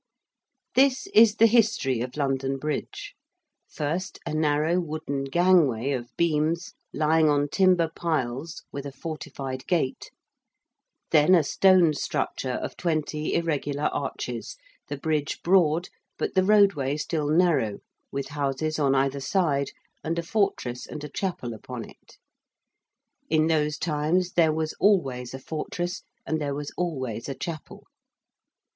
This is the history of London Bridge. First a narrow wooden gangway of beams lying on timber piles with a fortified gate; then a stone structure of twenty irregular arches, the Bridge broad but the roadway still narrow with houses on either side and a fortress and a chapel upon it in those times there was always a fortress, and there was always a chapel.